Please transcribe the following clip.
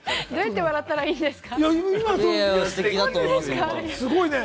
どうやって笑ったらいいんですか？